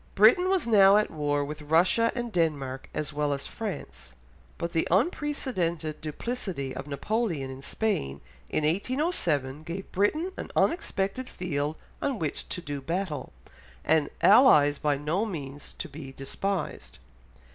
Britain was now at war with Russia and Denmark as well as France, but the unprecedented duplicity of Napoleon in Spain in 1807 gave Britain an unexpected field on which to do battle, and allies by no means to be despised.